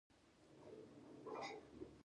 په افغانستان کې د پسه تاریخ اوږد دی.